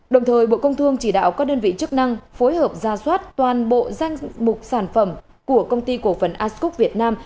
đồng thời bộ công thương chỉ đạo các đơn vị chức năng phối hợp ra soát toàn bộ danh mục sản phẩm của công ty cổ phần asok việt nam